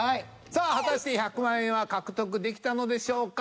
さあ果たして１００万円は獲得できたのでしょうか？